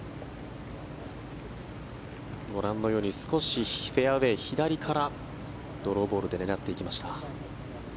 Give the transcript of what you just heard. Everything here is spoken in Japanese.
ご覧のように少しフェアウェー左からドローボールで狙っていきました。